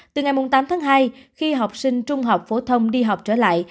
từ ngày tám tháng hai khi học sinh trung học phổ thông đi học trở lại